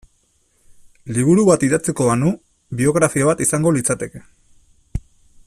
Liburu bat idatziko banu biografia bat izango litzateke.